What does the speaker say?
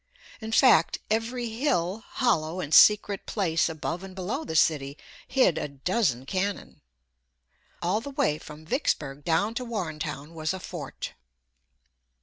In fact, every hill, hollow, and secret place above and below the city hid a dozen cannon. All the way from Vicksburg down to Warrentown was a fort.